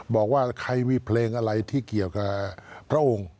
บอกว่าใครมีเพลงอะไรที่เกี่ยวกับพระองค์